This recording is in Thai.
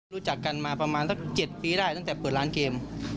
รู้จักกันมาประมาณสัก๗ปีได้ตั้งแต่เปิดร้านเกม